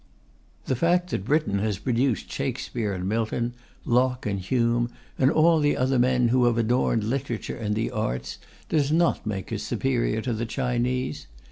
The fact that Britain has produced Shakespeare and Milton, Locke and Hume, and all the other men who have adorned literature and the arts, does not make us superior to the Chinese.